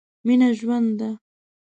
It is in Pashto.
مينه ژوند ده.